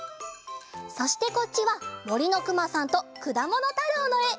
そしてこっちは「森のくまさん」と「くだものたろう」のえ！